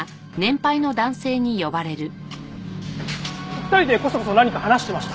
２人でこそこそ何か話してました。